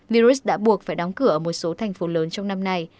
liris đã buộc phải đóng cửa ở một số thành phố lớn trong năm nay